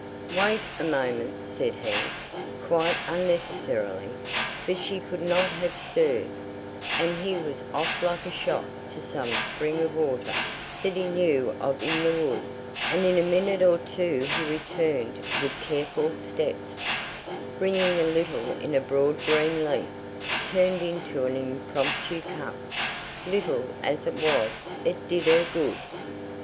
"Wait a moment," said he, quite unnecessarily, for she could not have stirred, and he was off like a shot to some spring of water that he knew of in the wood, and in a minute or two he returned with careful steps, bringing a little in a broad green leaf, turned into an impromptu cup. Little as it was, it did her good.